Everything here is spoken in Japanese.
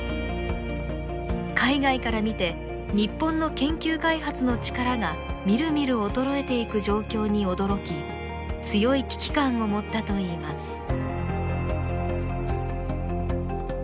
海外から見て日本の研究開発の力がみるみる衰えていく状況に驚き強い危機感を持ったといいます。